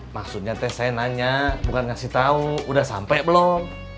maksudnya teh saya nanya bukan ngasih tau udah sampe belom